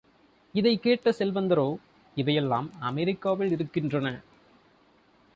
இதைக் கேட்ட செல்வந்தரோ, இவையெல்லாம் அமெரிக்காவில் இருக்கின்றன.